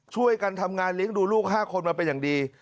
ช่วยกันทำงานเลี้ยงดูลูก๕คนมาเป็นอย่างดี